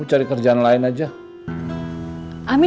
untuk liar ini ada kesempatan